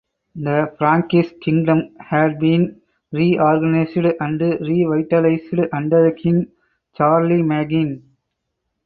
The Frankish Kingdom had been reorganized and revitalized under king Charlemagne.